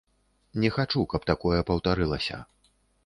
Не хачу, каб такое паўтарылася.